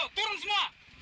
ayo turun semua